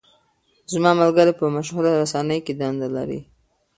زما ملګری په یوه مشهوره رسنۍ کې دنده لري.